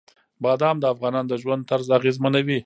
بادام د افغانانو د ژوند طرز اغېزمنوي.